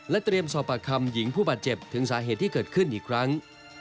เตรียมสอบปากคำหญิงผู้บาดเจ็บถึงสาเหตุที่เกิดขึ้นอีกครั้ง